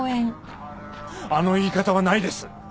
あの言い方はないです。